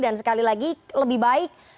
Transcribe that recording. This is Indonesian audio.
dan sekali lagi lebih baik